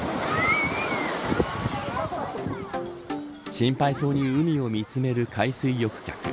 心配そうに海を見つめる海水浴客。